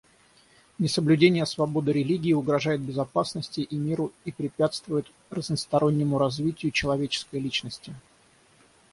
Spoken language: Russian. Несоблюдение свободы религии угрожает безопасности и миру и препятствует разностороннему развитию человеческой личности.